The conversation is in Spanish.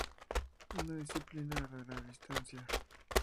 Una disciplina de la distancia.